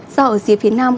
do ở dưới phía nam